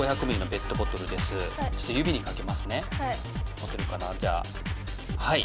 持てるかなじゃあはい。